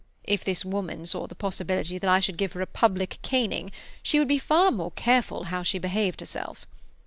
If this woman saw the possibility that I should give her a public caning she would be far more careful how she behaved herself.